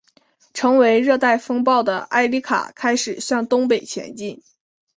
成为热带风暴的埃里卡开始向东北前进。